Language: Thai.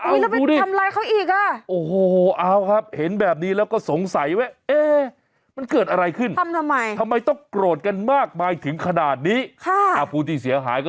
เอ้าดูนี่โอ้โหเอ้าครับเห็นแบบนี้แล้วก็สงสัยไว้เอ๊ะ